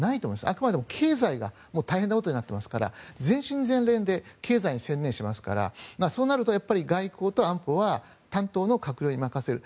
あくまで経済が大変なことになっていますから全身全霊で経済に専念しますからそうなると外交と安保は担当の閣僚に任せる。